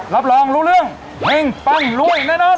รับรองรู้เรื่องเฮ่งปังรวยแน่นอน